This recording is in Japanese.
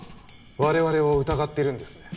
我々を疑ってるんですね。